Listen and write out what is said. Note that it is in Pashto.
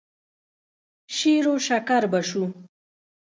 شېروشکر به شو.